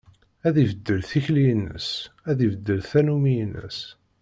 Ad ibeddel tikli-ines, ad ibeddel tannumi-ines.